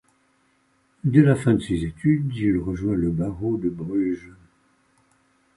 Dès la fin de ses études, il rejoint le barreau de Bruges.